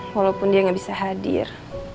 walaupun dia nggak bisa hadir